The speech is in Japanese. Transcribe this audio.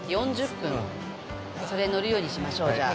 それ乗るようにしましょうじゃあ。